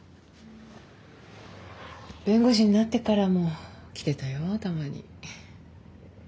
弁護士になってからも来てたよたまに。